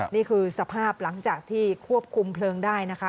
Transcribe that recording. นี่คือสภาพหลังจากที่ควบคุมเพลิงได้นะคะ